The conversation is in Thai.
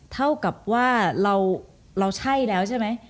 เท่ากับว่าเราใช่แล้วใช่ไหม